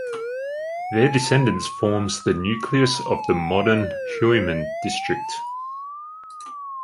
Their descendants forms the nucleus of the modern Huimin district.